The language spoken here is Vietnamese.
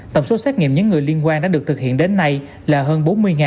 tổng số xét nghiệm những người liên quan đã được thực hiện đến nay là hơn bốn mươi